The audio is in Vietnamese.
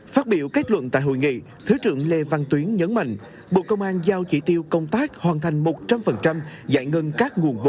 phát biểu kết luận tại hội nghị thứ trưởng lê văn tuyến nhấn mạnh bộ công an giao chỉ tiêu công tác hoàn thành một trăm linh giải ngân các nguồn vốn